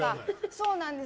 そうなんです。